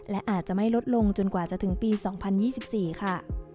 และอาจจะไม่ลดลงจนกว่าจะถึงปี๒๐๒๔ค่ะ